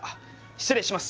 失礼します。